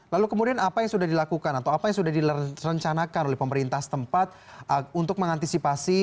lalu kemudian apa yang sudah dilakukan atau apa yang sudah direncanakan oleh pemerintah setempat untuk mengantisipasi